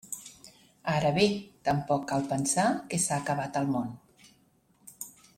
Ara bé, tampoc cal pensar que s'ha acabat el món.